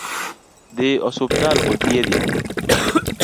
Dhi osiptal othiedhi.